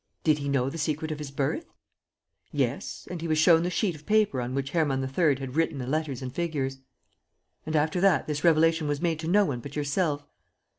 "Did he know the secret of his birth?" "Yes; and he was shown the sheet of paper on which Hermann III. had written the letters and figures." "And after that this revelation was made to no one but yourself?"